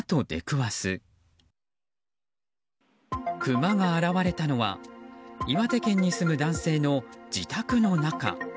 クマが現れたのは岩手県に住む男性の自宅の中。